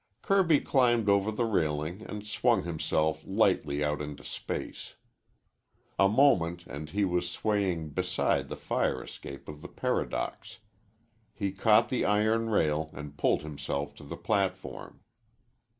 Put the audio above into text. Kirby climbed over the railing and swung himself lightly out into space. A moment, and he was swaying beside the fire escape of the Paradox. He caught the iron rail and pulled himself to the platform.